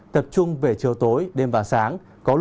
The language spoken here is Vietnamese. tập trung về chiều tối đêm và sáng